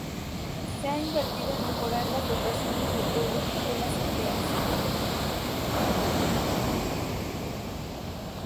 Se ha invertido en mejorar las dotaciones del pueblo y de las aldeas.